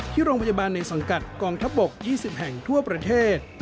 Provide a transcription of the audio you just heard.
ที่โรงพยาบาลในสังกัดกองทัพบก๒๐แห่งทั่วประเทศ